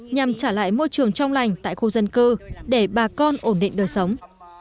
nhằm trả lại môi trường trong lành tại khu dân cư để bà con ổn định đời sống